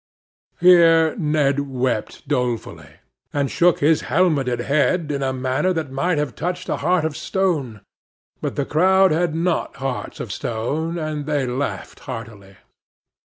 Here Ned wept dolefully, and shook his helmeted head, in a manner that might have touched a heart of stone; but the crowd had not hearts of stone, and they laughed heartily.